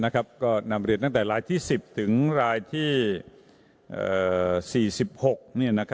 ก็นำเรียนตั้งแต่รายที่๑๐ถึงรายที่๔๖